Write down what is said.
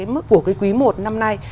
mức của quý một năm nay